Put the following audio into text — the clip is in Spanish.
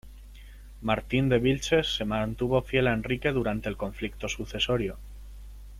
Martín de Vilches se mantuvo fiel a Enrique durante el conflicto sucesorio.